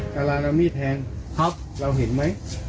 กราลานอมีแทนต์นะครับเราเห็นไหม